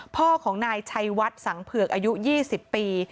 พ่อของนายชัยวัดสังเผือกอายุ๒๐ปี